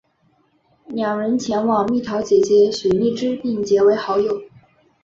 两人前往蜜桃姐姐徐荔枝并结为好友。